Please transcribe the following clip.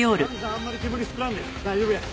あんまり煙吸っとらんで大丈夫や。